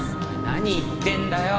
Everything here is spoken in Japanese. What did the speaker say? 何言ってんだよ！